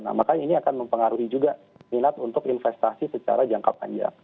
nah makanya ini akan mempengaruhi juga minat untuk investasi secara jangka panjang